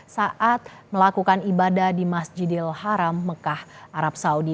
saat melakukan ibadah di masjidil haram mekah arab saudi